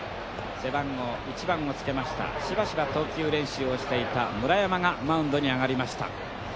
背番号１番をつけましたしばしば投球練習をしていた村山がマウンドに上がりました。